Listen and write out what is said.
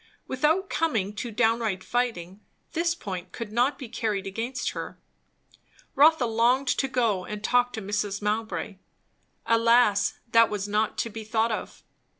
Without coming to downright fighting, this point could not be carried against her. Rotha longed to go and talk to Mrs. Mowbray; alas, that was not to be thought of.